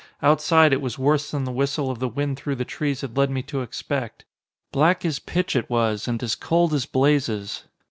Outside it was worse than the whistle of the wind through the trees had led me to expect. Black as pitch it was, and as cold as blazes.